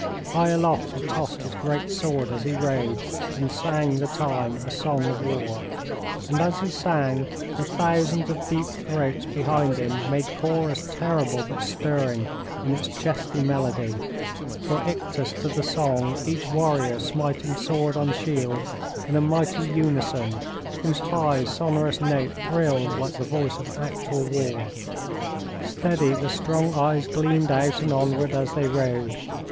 High aloft he tossed his great sword as he rode, and sang the time a song of war; and as he sang, the thousands of deep throats behind him made chorus terrible but stirring in its chesty melody, for ictus to the song each warrior smiting sword on shield in a mighty unison whose high, sonorous note thrilled like the voice of actual war. Steady the strong eyes gleamed out and onward as they rode.